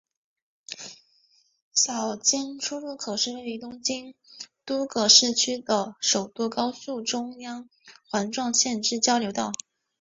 小菅出入口是位于东京都葛饰区的首都高速中央环状线之交流道。